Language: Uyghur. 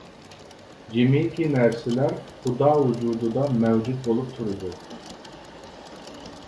جىمىكى نەرسىلەر خۇدا ۋۇجۇدىدا مەۋجۇت بولۇپ تۇرىدۇ.